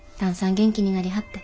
元気になりはって。